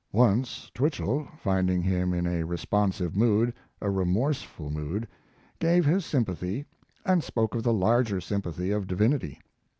Once Twichell, finding him in a responsive mood a remorseful mood gave his sympathy, and spoke of the larger sympathy of divinity.